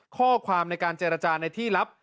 ข้อความในการเจรจาในที่ลับ